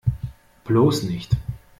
Bloß nicht!